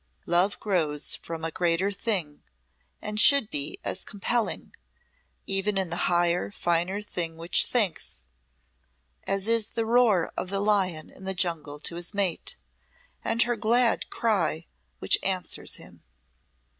Love grows from a greater thing, and should be as compelling even in the higher, finer thing which thinks as is the roar of the lion in the jungle to his mate, and her glad cry which answers him."